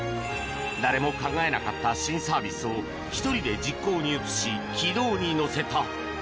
誰も考えなかった新サービスを１人で実行に移し軌道に乗せた。